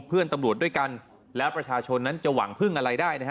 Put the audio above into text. เพื่อนตำรวจด้วยกันและประชาชนนั้นจะหวังพึ่งอะไรได้นะฮะ